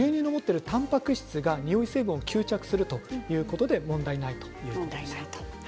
牛乳が持っているたんぱく質がにおい成分を吸着するということで問題ないということです。